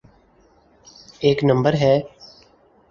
ایک نمبر ہے؟